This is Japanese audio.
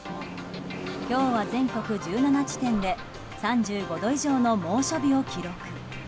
今日は全国１７地点で３５度以上の猛暑日を記録。